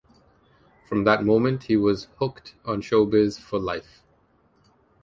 From that moment he was hooked on showbiz for life.